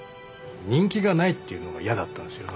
人気がないっていうのが嫌だったんですよ。